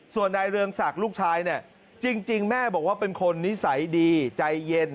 ส่วนนายเรืองศักดิ์ลูกชายเนี่ยจริงแม่บอกว่าเป็นคนนิสัยดีใจเย็น